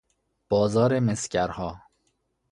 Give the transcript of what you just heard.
بازار مسگرها